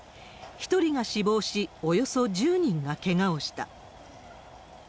１人が死亡し、およそ１０人がけがをした。